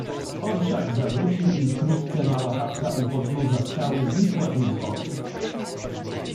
"Orszak zawrócił i wkrótce mała chatka u podnóża skały znikła im z oczu."